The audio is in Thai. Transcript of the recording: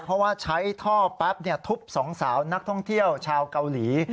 เพราะว่าใช้ท่อแป๊บทุบสองสาวนักท่องเที่ยวชาวเกาหลี